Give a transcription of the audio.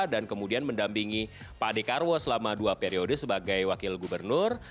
dan kemudian mendampingi pak dekarwo selama dua periode sebagai wakil gubernur